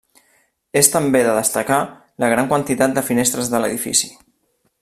És també de destacar la gran quantitat de finestres de l'edifici.